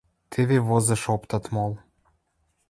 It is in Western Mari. Тӹве возыш оптат мол.